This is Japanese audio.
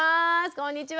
こんにちは！